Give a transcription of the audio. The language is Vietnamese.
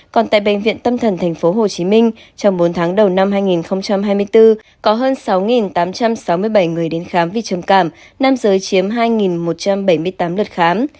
còn tại bệnh viện tâm thần tp hcm trong bốn tháng đầu năm hai nghìn hai mươi bốn có hơn sáu tám trăm sáu mươi bảy người đến khám vì trầm cảm nam giới chiếm hai một trăm bảy mươi tám lượt khám